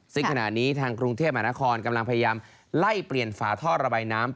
ซึ่งขณะนี้ทางกรุงเทพมหานครกำลังพยายามไล่เปลี่ยนฝาท่อระบายน้ำ